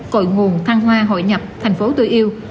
cội nguồn thăng hoa hội nhập thành phố tôi yêu